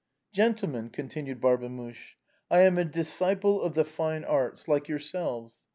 " Gentlemen," continued Barbemuche, I am a disciple of the fine arts, like yourselves.